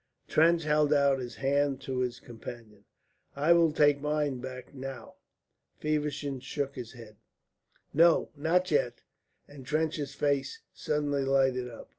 Trench held out his hand to his companion. "I will take mine back now." Feversham shook his head. "No, not yet," and Trench's face suddenly lighted up.